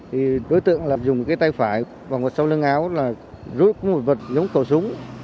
thì đối tượng dùng tay phải và ngọt sau lưng áo rút một vật giống khẩu súng